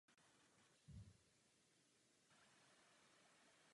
Roste na březích řek jižní a střední Evropy a v západní Americe.